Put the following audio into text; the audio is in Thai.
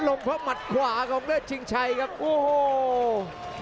เพราะหมัดขวาของเลิศชิงชัยครับโอ้โห